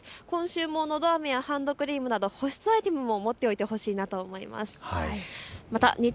今週のどあめやハンドクリームなど保湿アイテムも持っておいてほしいなと思います。